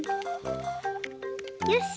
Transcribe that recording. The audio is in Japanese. よし！